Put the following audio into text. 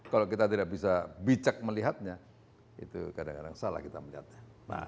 kalau kita tidak bisa bijak melihatnya itu kadang kadang salah kita melihatnya